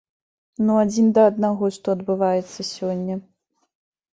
Ну адзін да аднаго, што адбываецца сёння.